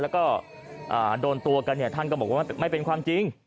แล้วก็โดนตัวกันเนี่ยท่านก็บอกว่าไม่เป็นความจริง